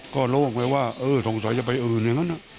ก็รู้ออกมาว่าเออสงสัยจะไปอื่นอย่างนั้นนะ